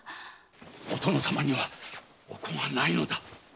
お殿様にはお子がないのだ。